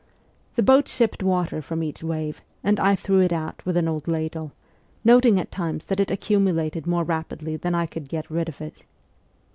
The boat shipped water from each wave, and I threw it out with an old ladle, noting at times that it accumu lated more rapidly than I could get rid of it.